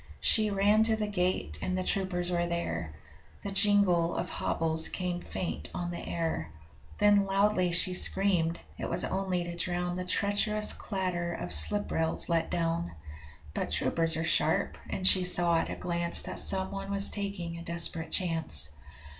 She ran to the gate, and the troopers were there The jingle of hobbles came faint on the air Then loudly she screamed: it was only to drown The treacherous clatter of slip rails let down. But troopers are sharp, and she saw at a glance That someone was taking a desperate chance.